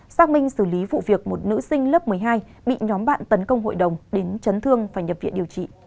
xác minh xử lý vụ việc một nữ sinh lớp một mươi hai bị nhóm bạn tấn công hội đồng đến chấn thương và nhập viện điều trị